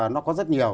nó có rất nhiều